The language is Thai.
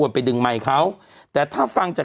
กรมป้องกันแล้วก็บรรเทาสาธารณภัยนะคะ